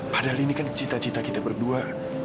padahal ini kan cita cita kita berdua